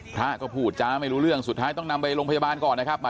พระก็พูดจ้าไม่รู้เรื่องสุดท้ายต้องนำไปโรงพยาบาลก่อนนะครับ